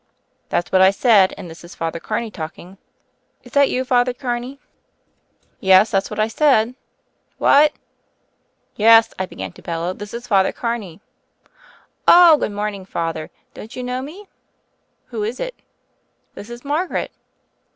"That's what I said, and this is Father Car ney talking." "Is that you. Father Carney?'* Vf 42 THE FAIRY OF THE SNOWS "Yes, that's what I said." "What?" "Yes," I began to bellow, "this is Father Car ney." "Oh, good morning, Father, don't you know me?" 'Who hitr "This is Margaret."